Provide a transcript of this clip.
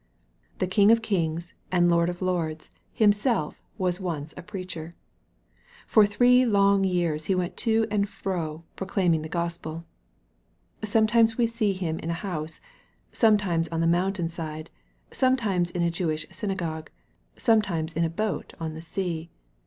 The King of kings and Lord of lords Himself was once a preacher. For three long years He went to and fro proclaiming the Gospel. Sometimes we see Him in a house, sometimes on the mountain side, sometimes in a Jewish synagogue, sometimes in a boat on the sea.